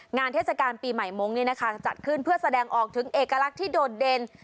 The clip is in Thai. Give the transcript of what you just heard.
เทศกาลปีใหม่มงค์จัดขึ้นเพื่อแสดงออกถึงเอกลักษณ์ที่โดดเด่น